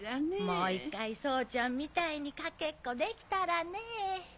もう一回宗ちゃんみたいにかけっこできたらねぇ。